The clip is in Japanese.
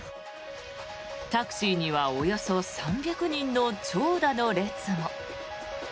タクシーにはおよそ３００人の長蛇の列も。